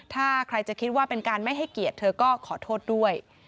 ถ้าใครจะคิดว่าเป็นการไม่ให้เกียรติเธอก็ขอโทษด้วย